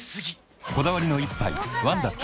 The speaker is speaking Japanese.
こだわりの一杯「ワンダ極」